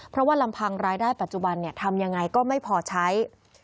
เพราะว่าลำพังรายได้ปัจจุบันทำยังไงก็ไม่พอใช้